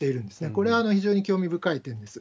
これは非常に興味深い点です。